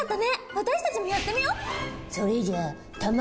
私たちもやってみよう。